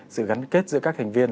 sự gắn kết giữa các thành viên